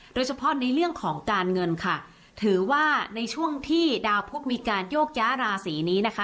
โดยเฉพาะในเรื่องของการเงินค่ะถือว่าในช่วงที่ดาวพุทธมีการโยกย้าราศีนี้นะคะ